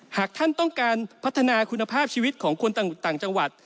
หากท่านต้องการพัฒนาคุณภาพชีวิตของคนต่างจังหวัด